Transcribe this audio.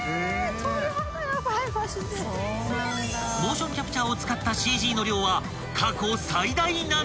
［モーションキャプチャーを使ったＣＧの量は］